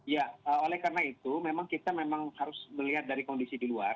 ya oleh karena itu memang kita memang harus melihat dari kondisi di luar